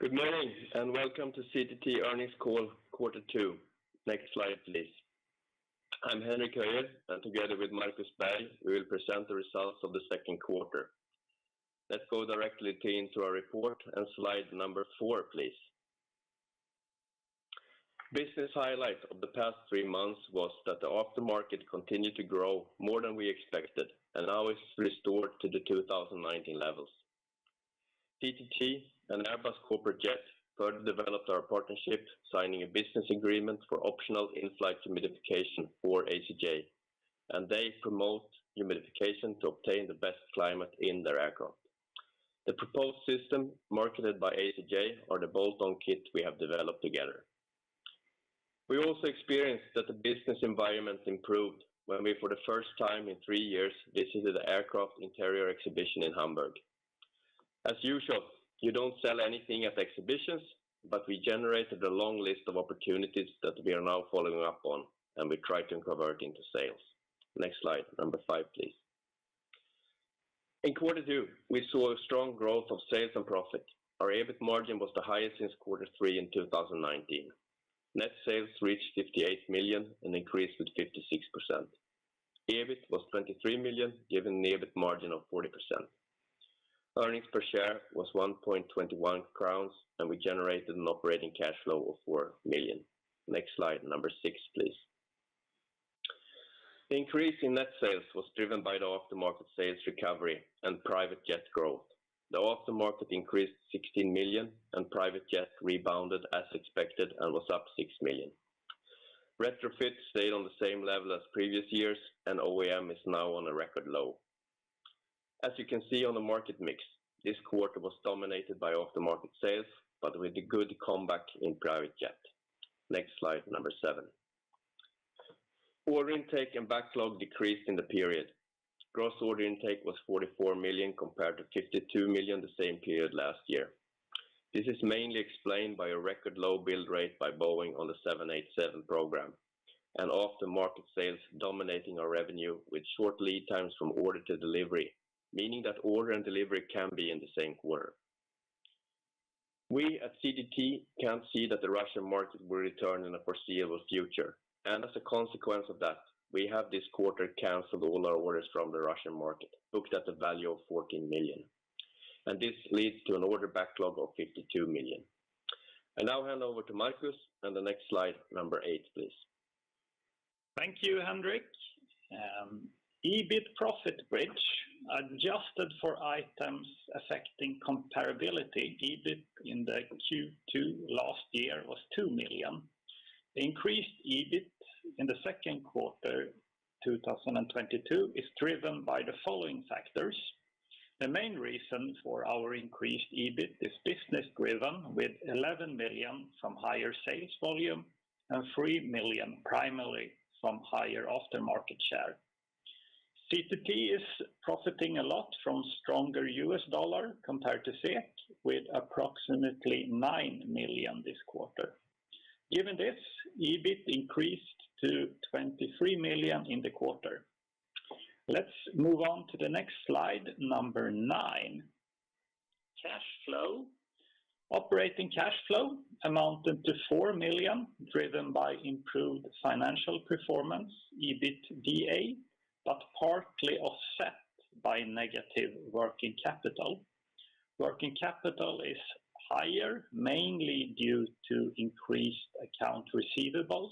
Good morning, and welcome to CTT earnings call quarter two. Next slide, please. I'm Henrik Höjer, and together with Markus Berg, we will present the results of the second quarter. Let's go directly into our report and slide number four, please. Business highlight of the past three months was that the aftermarket continued to grow more than we expected and now is restored to the 2019 levels. CTT and Airbus Corporate Jets further developed our partnership, signing a business agreement for optional in-flight humidification for ACJ, and they promote humidification to obtain the best climate in their aircraft. The proposed system marketed by ACJ are the bolt-on kit we have developed together. We also experienced that the business environment improved when we, for the first time in three years, visited the Aircraft Interiors Expo in Hamburg. As usual, you don't sell anything at exhibitions, but we generated a long list of opportunities that we are now following up on, and we try to convert into sales. Next slide, number five, please. In quarter two, we saw a strong growth of sales and profit. Our EBIT margin was the highest since quarter three in 2019. Net sales reached 58 million and increased with 56%. EBIT was 23 million, giving an EBIT margin of 40%. Earnings per share was 1.21 crowns, and we generated an operating cash flow of 4 million. Next slide, number six, please. The increase in net sales was driven by the aftermarket sales recovery and private jet growth. The aftermarket increased 16 million and private jet rebounded as expected and was up 6 million. Retrofit stayed on the same level as previous years, and OEM is now on a record low. As you can see on the market mix, this quarter was dominated by aftermarket sales, but with a good comeback in private jet. Next slide, number seven. Order intake and backlog decreased in the period. Gross order intake was 44 million compared to 52 million the same period last year. This is mainly explained by a record low build rate by Boeing on the 787 program and aftermarket sales dominating our revenue with short lead times from order to delivery, meaning that order and delivery can be in the same quarter. We at CTT can see that the Russian market will return in the foreseeable future. As a consequence of that, we have this quarter canceled all our orders from the Russian market, booked at the value of 14 million. This leads to an order backlog of 52 million. I now hand over to Markus, and the next slide, number eight, please. Thank you, Henrik. EBIT profit bridge, adjusted for items affecting comparability, EBIT in the Q2 last year was 2 million. Increased EBIT in the second quarter 2022 is driven by the following factors. The main reason for our increased EBIT is business-driven with 11 million from higher sales volume and 3 million primarily from higher aftermarket share. CTT is profiting a lot from stronger U.S. dollar compared to SEK with approximately 9 million this quarter. Given this, EBIT increased to 23 million in the quarter. Let's move on to the next slide, number nine. Cash flow. Operating cash flow amounted to 4 million, driven by improved financial performance, EBITDA, but partly offset by negative working capital. Working capital is higher, mainly due to increased accounts receivable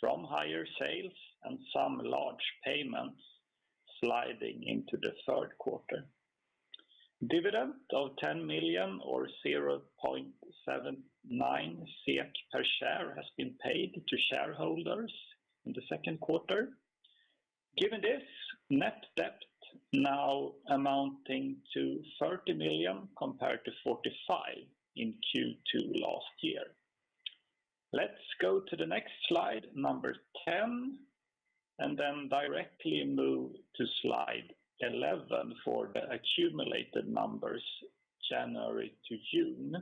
from higher sales and some large payments sliding into the third quarter. Dividend of 10 million or 0.79 per share has been paid to shareholders in the second quarter. Given this, net debt now amounting to 30 million compared to 45 million in Q2 last year. Let's go to the next slide, number 10, and then directly move to slide 11 for the accumulated numbers January to June.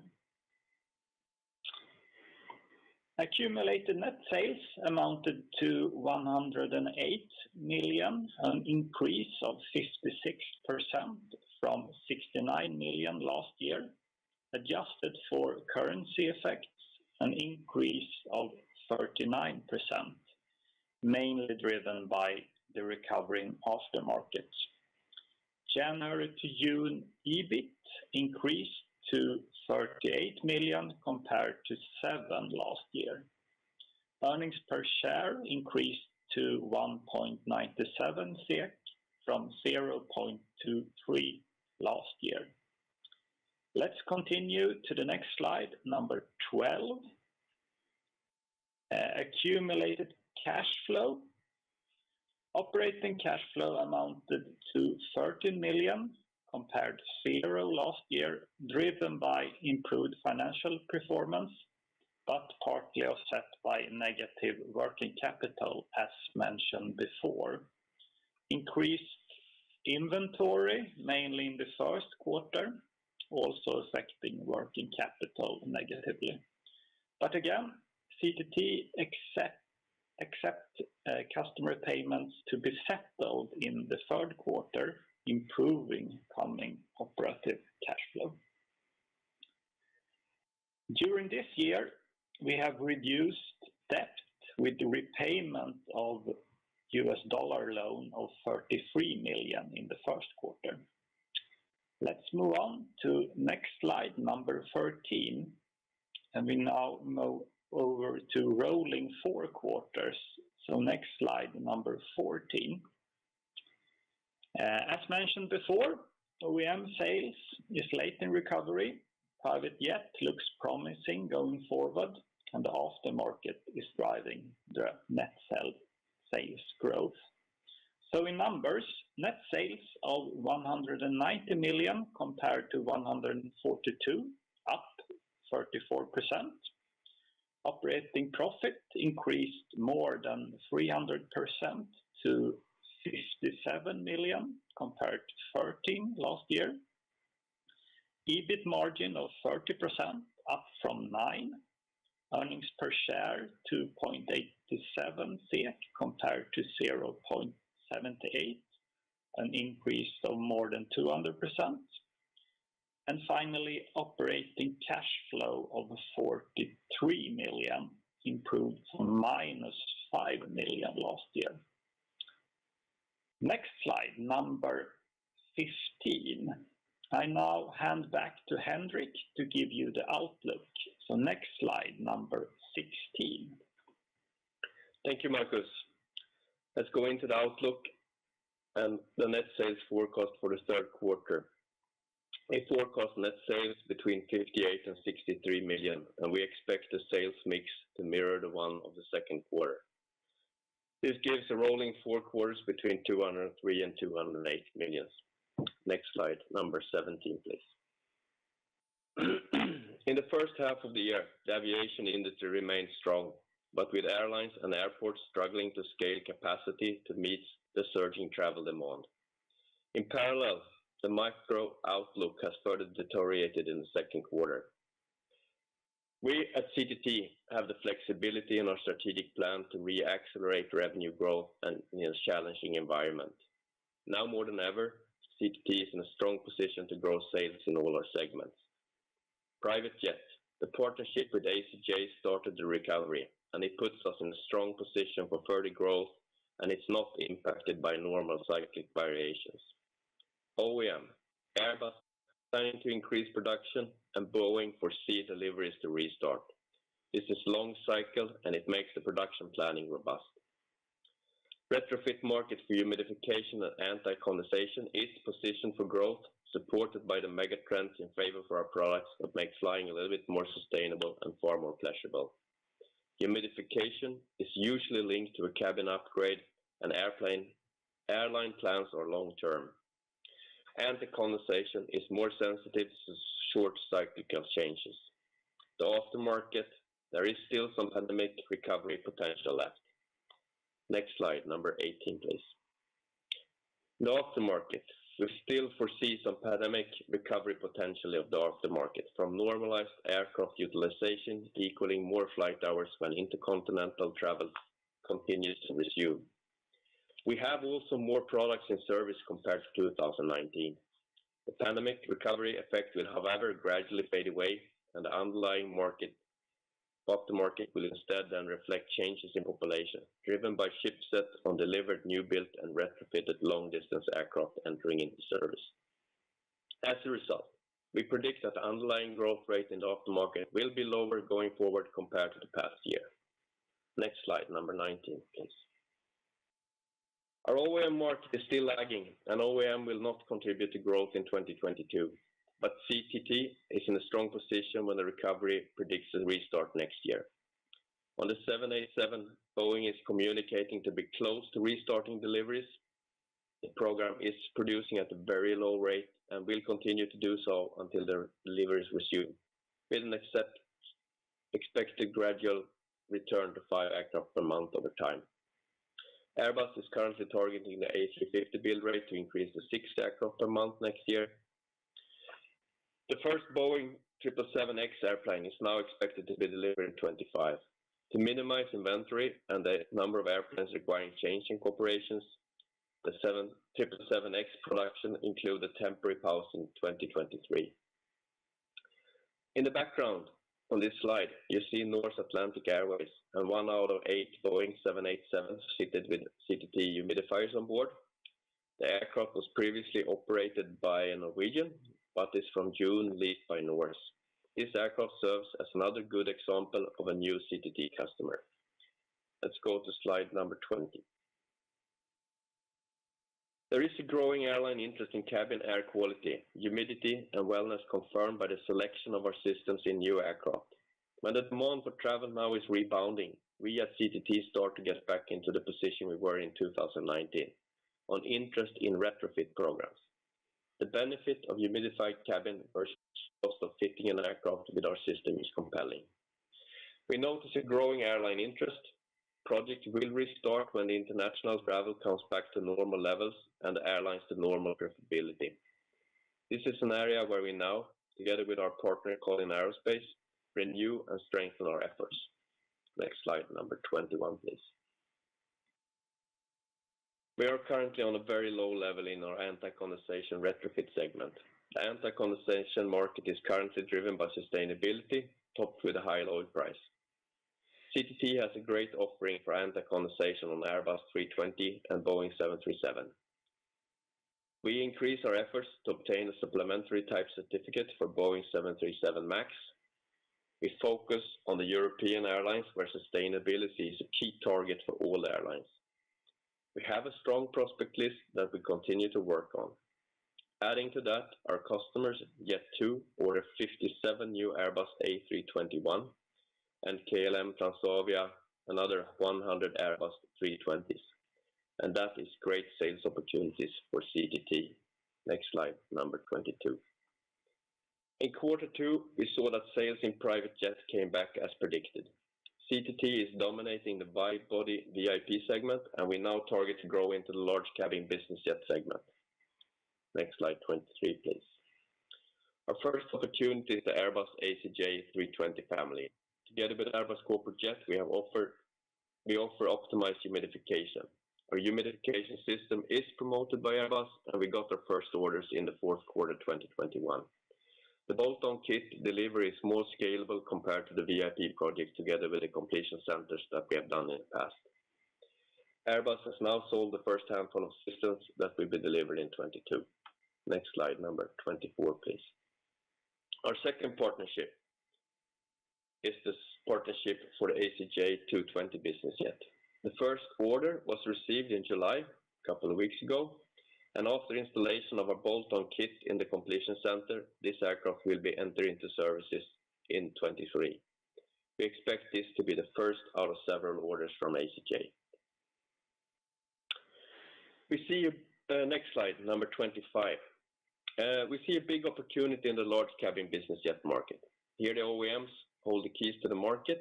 Accumulated net sales amounted to 108 million, an increase of 56% from 69 million last year. Adjusted for currency effects, an increase of 39%, mainly driven by the recovering aftermarkets. January to June, EBIT increased to 38 million compared to 7 million last year. Earnings per share increased to 1.97 from 0.23 last year. Let's continue to the next slide, number 12. Accumulated cash flow. Operating cash flow amounted to 13 million compared to zero last year, driven by improved financial performance, but partly offset by negative working capital, as mentioned before. Increased inventory, mainly in the first quarter, also affecting working capital negatively. Again, CTT accepts customer payments to be settled in the third quarter, improving coming operating cash flow. During this year, we have reduced debt with the repayment of U.S. dollar loan of $33 million in the first quarter. Let's move on to next slide, number 13. We now move over to rolling four quarters. Next slide, number 14. As mentioned before, OEM sales is late in recovery. Private jet looks promising going forward, and the aftermarket is driving the net sales growth. In numbers, net sales of 190 million compared to 142 million, up 34%. Operating profit increased more than 300% to 67 million compared to 13 million last year. EBIT margin of 30%, up from 9%. Earnings per share, 2.87 compared to 0.78, an increase of more than 200%. Finally, operating cash flow of 43 million, improved from -5 million last year. Next slide, number 15. I now hand back to Henrik to give you the outlook. Next slide, number 16. Thank you, Markus. Let's go into the outlook and the net sales forecast for the third quarter. Forecast net sales between 58 million and 63 million, and we expect the sales mix to mirror the one of the second quarter. This gives a rolling four quarters between 203 million and 208 million. Next slide, number 17, please. In the first half of the year, the aviation industry remained strong, but with airlines and airports struggling to scale capacity to meet the surging travel demand. In parallel, the macro outlook has further deteriorated in the second quarter. We at CTT have the flexibility in our strategic plan to re-accelerate revenue growth in a challenging environment. Now more than ever, CTT is in a strong position to grow sales in all our segments. Private jet, the partnership with ACJ started the recovery, and it puts us in a strong position for further growth, and it's not impacted by normal cyclical variations. OEM, Airbus planning to increase production and Boeing foresee deliveries to restart. This is long cycle, and it makes the production planning robust. Retrofit market for humidification and anti-condensation is positioned for growth, supported by the mega trends in favor for our products that make flying a little bit more sustainable and far more pleasurable. Humidification is usually linked to a cabin upgrade, and airline plans are long-term. Anti-condensation is more sensitive to short cyclical changes. The after market, there is still some pandemic recovery potential left. Next slide, number 18, please. The after market. We still foresee some pandemic recovery potentially of the after market from normalized aircraft utilization, equaling more flight hours when intercontinental travel continues to resume. We have also more products and services compared to 2019. The pandemic recovery effect will however gradually fade away, and the underlying aftermarket will instead then reflect changes in population, driven by shipsets on delivered new built and retrofitted long distance aircraft entering into service. As a result, we predict that the underlying growth rate in the aftermarket will be lower going forward compared to the past year. Next slide, number 19, please. Our OEM market is still lagging, and OEM will not contribute to growth in 2022, but CTT is in a strong position when the recovery predicts a restart next year. On the 787, Boeing is communicating to be close to restarting deliveries. The program is producing at a very low rate and will continue to do so until the deliveries resume. We expect a gradual return to five aircrafts per month over time. Airbus is currently targeting the A350 build rate to increase to six aircrafts per month next year. The first Boeing 777X airplane is now expected to be delivered in 2025. To minimize inventory and the number of airplanes requiring changes in configuration, the 777X production includes a temporary pause in 2023. In the background on this slide, you see Norse Atlantic Airways and one out of eight Boeing 787s fitted with CTT humidifiers onboard. The aircraft was previously operated by Norwegian Air Shuttle, but is from June leased by Norse Atlantic Airways. This aircraft serves as another good example of a new CTT customer. Let's go to slide number 20. There is a growing airline interest in cabin air quality, humidity, and wellness confirmed by the selection of our systems in new aircraft. When the demand for travel now is rebounding, we at CTT start to get back into the position we were in 2019 on interest in retrofit programs. The benefit of humidified cabin versus cost of fitting an aircraft with our system is compelling. We notice a growing airline interest. Project will restart when the international travel comes back to normal levels and the airlines to normal profitability. This is an area where we now, together with our partner, Collins Aerospace, renew and strengthen our efforts. Next slide, number 21, please. We are currently on a very low level in our anti-condensation retrofit segment. The anti-condensation market is currently driven by sustainability, topped with a high oil price. CTT has a great offering for anti-condensation on Airbus A320 and Boeing 737. We increase our efforts to obtain a Supplemental Type Certificate for Boeing 737 MAX. We focus on the European airlines, where sustainability is a key target for all airlines. We have a strong prospect list that we continue to work on. Adding to that, our customers Jet2 order 57 new Airbus A321 and KLM Transavia, another 100 Airbus A320. That is great sales opportunities for CTT. Next slide, number 22. In quarter two, we saw that sales in private jets came back as predicted. CTT is dominating the wide-body VIP segment, and we now target to grow into the large cabin business jet segment. Next slide, 23, please. Our first opportunity is the Airbus ACJ320 family. Together with Airbus Corporate Jets, we offer optimized humidification. Our humidification system is promoted by Airbus, and we got our first orders in the fourth quarter 2021. The bolt-on kit delivery is more scalable compared to the VIP project together with the completion centers that we have done in the past. Airbus has now sold the first handful of systems that will be delivered in 2022. Next slide, number 24, please. Our second partnership is this partnership for the ACJ TwoTwenty business jet. The first order was received in July, a couple of weeks ago, and after installation of a bolt-on kit in the completion center, this aircraft will be entering into services in 2023. We expect this to be the first out of several orders from ACJ. Next slide, number 25. We see a big opportunity in the large cabin business jet market. Here the OEMs hold the keys to the market.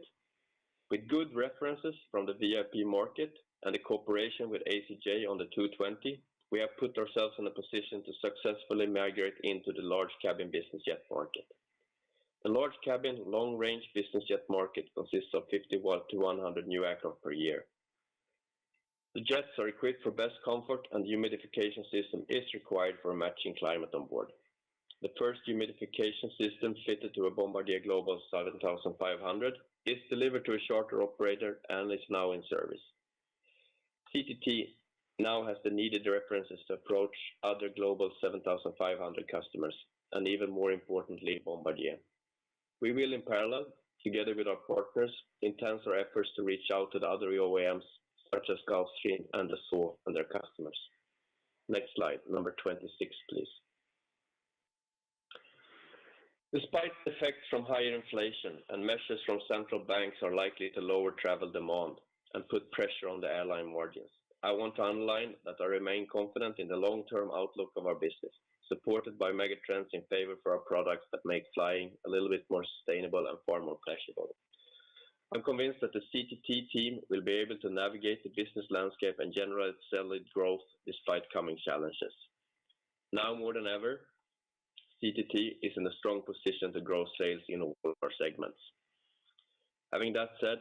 With good references from the VIP market and the cooperation with ACJ on the TwoTwenty, we have put ourselves in a position to successfully migrate into the large cabin business jet market. The large cabin long-range business jet market consists of 51-100 new aircraft per year. The jets are equipped for best comfort, and the humidification system is required for a matching climate on board. The first humidification system fitted to a Bombardier Global 7500 is delivered to a charter operator and is now in service. CTT now has the needed references to approach other Global 7500 customers and even more importantly, Bombardier. We will in parallel, together with our partners, intensify our efforts to reach out to the other OEMs such as Gulfstream and Dassault and their customers. Next slide, number 26, please. Despite the effect from higher inflation and measures from central banks are likely to lower travel demand and put pressure on the airline margins, I want to underline that I remain confident in the long-term outlook of our business, supported by mega trends in favor for our products that make flying a little bit more sustainable and far more pleasurable. I'm convinced that the CTT team will be able to navigate the business landscape and generate solid growth despite coming challenges. Now more than ever, CTT is in a strong position to grow sales in all of our segments. Having that said,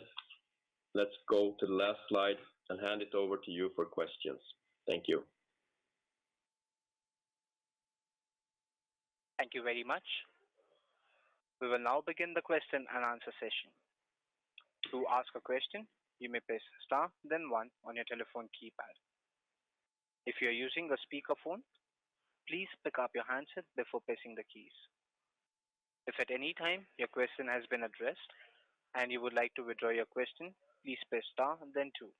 let's go to the last slide and hand it over to you for questions. Thank you. Thank you very much. We will now begin the question and answer session. To ask a question, you may press star, then one on your telephone keypad. If you're using the speaker phone, please pick up your handset before pressing the keys. If at any time your question has been addressed and you would like to withdraw your question, please press star, then two.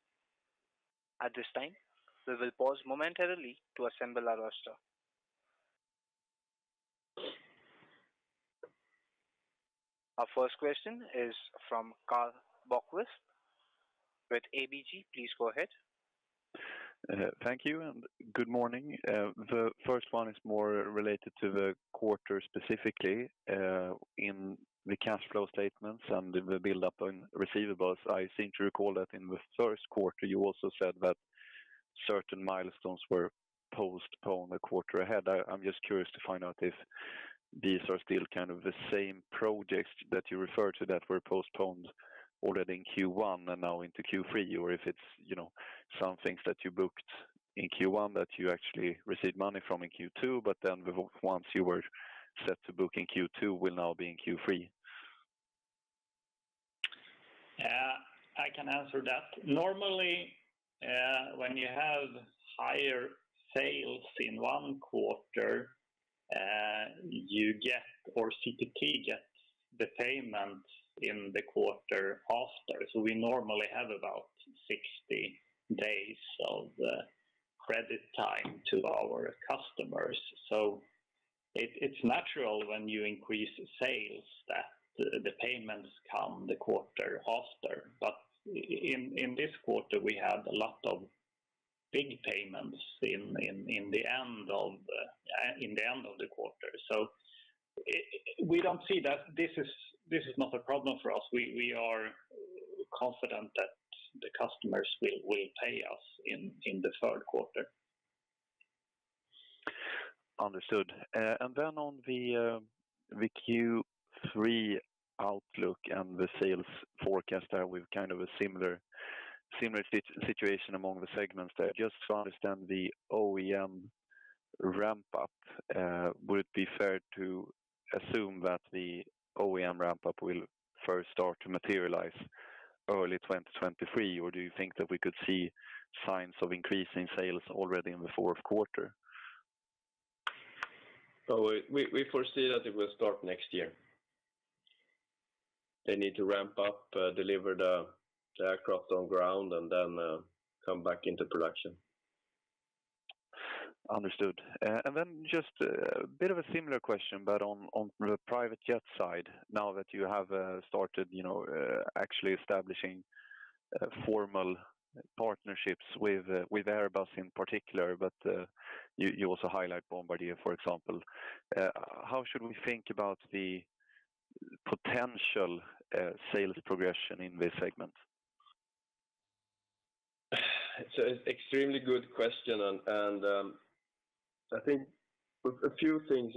At this time, we will pause momentarily to assemble our roster. Our first question is from Karl Bokvist with ABG. Please go ahead. Thank you and good morning. The first one is more related to the quarter specifically, in the cash flow statements and the build-up on receivables. I seem to recall that in the first quarter, you also said that certain milestones were postponed a quarter ahead. I'm just curious to find out if these are still kind of the same projects that you refer to that were postponed already in Q1 and now into Q3, or if it's, you know, some things that you booked in Q1 that you actually received money from in Q2, but then the ones you were set to book in Q2 will now be in Q3. I can answer that. Normally, when you have higher sales in one quarter, you get or CTT gets the payment in the quarter after. We normally have about 60 days of credit time to our customers. It's natural when you increase sales that the payments come the quarter after. In this quarter, we had a lot of big payments in the end of the quarter. We don't see that this is not a problem for us. We are confident that the customers will pay us in the third quarter. Understood. On the Q3 outlook and the sales forecast there with kind of a similar situation among the segments there, just to understand the OEM ramp up, would it be fair to assume that the OEM ramp up will first start to materialize early 2023? Or do you think that we could see signs of increasing sales already in the fourth quarter? We foresee that it will start next year. They need to ramp up, deliver the aircraft on ground and then come back into production. Understood. Just a bit of a similar question, but on the private jet side, now that you have started, you know, actually establishing formal partnerships with Airbus in particular, but you also highlight Bombardier, for example. How should we think about the potential sales progression in this segment? It's an extremely good question and I think a few things.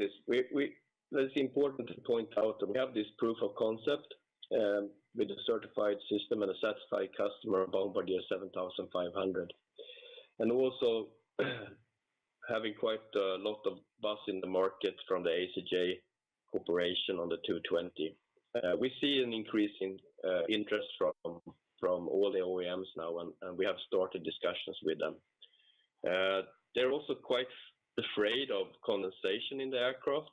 That's important to point out that we have this proof of concept with a certified system and a satisfied customer, Bombardier Global 7500. Also having quite a lot of buzz in the market from the ACJ cooperation on the TwoTwenty. We see an increase in interest from all the OEMs now, and we have started discussions with them. They're also quite afraid of condensation in the aircraft.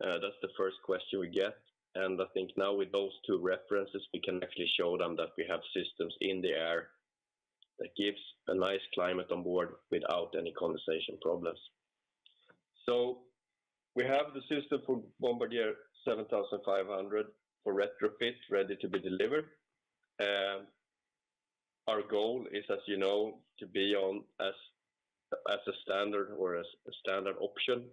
That's the first question we get. I think now with those two references, we can actually show them that we have systems in the air that gives a nice climate on board without any condensation problems. We have the system for Bombardier Global 7500 for retrofit ready to be delivered. Our goal is, as you know, to be as a standard or as a standard option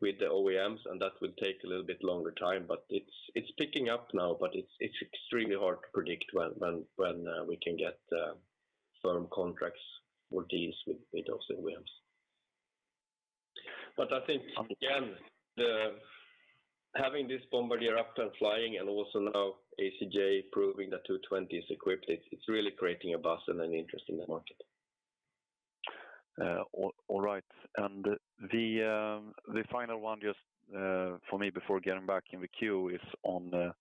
with the OEMs, and that will take a little bit longer time. It's picking up now, but it's extremely hard to predict when we can get firm contracts or deals with those OEMs. I think, again, having this Bombardier up and flying and also now ACJ proving the TwoTwenty is equipped, it's really creating a buzz and an interest in the market. All right. The final one just for me before getting back in the queue is on the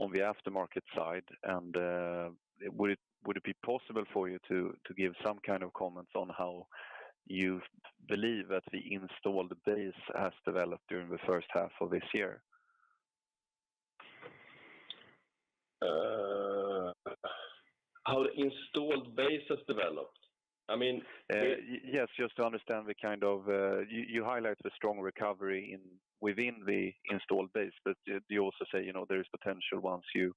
aftermarket side. Would it be possible for you to give some kind of comments on how you believe that the installed base has developed during the first half of this year? How the installed base has developed? I mean. Yes, just to understand the kind of, you highlight the strong recovery in, within the installed base. You also say, you know, there is potential once you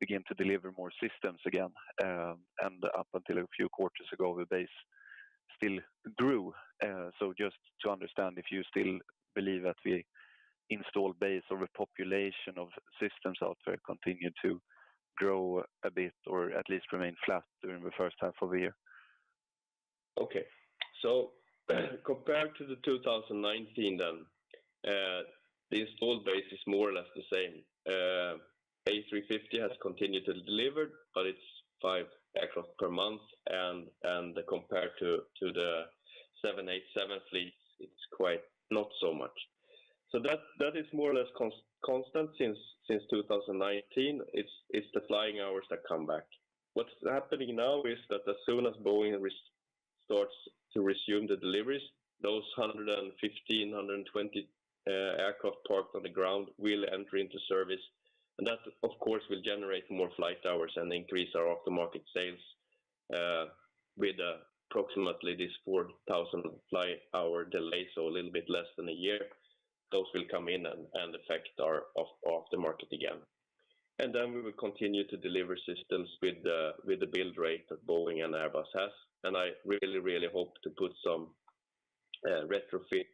begin to deliver more systems again, and up until a few quarters ago, the base still grew. Just to understand if you still believe that the installed base or the population of systems out there continue to grow a bit or at least remain flat during the first half of the year. Okay. Compared to 2019 then, the installed base is more or less the same. A350 has continued to deliver, but it's five aircrafts per month. Compared to the 787 fleet, it's quite not so much. That is more or less constant since 2019. It's the flying hours that come back. What's happening now is that as soon as Boeing restarts to resume the deliveries, those 115-120 aircraft parked on the ground will enter into service. That, of course, will generate more flight hours and increase our aftermarket sales with approximately this 4,000 flight hour delay, so a little bit less than a year. Those will come in and affect our aftermarket again. We will continue to deliver systems with the build rate that Boeing and Airbus has. I really, really hope to put some retrofit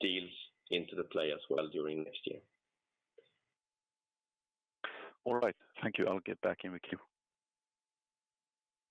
deals into play as well during next year. All right. Thank you. I'll get back in the queue.